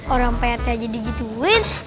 orang parete aja digituin